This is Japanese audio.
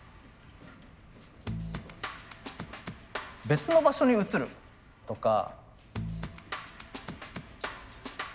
別の場所に移るとか。